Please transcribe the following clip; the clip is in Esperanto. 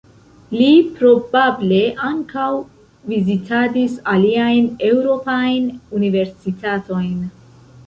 Li probable ankaŭ vizitadis aliajn eŭropajn universitatojn.